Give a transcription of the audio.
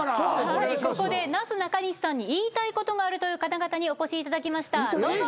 はいここでなすなかにしさんに言いたいことがあるという方々にお越しいただきましたどうぞ。